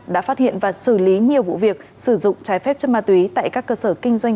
đã phát hiện và xử lý nhiều vụ việc sử dụng trái phép chất ma túy tại các cơ sở kinh doanh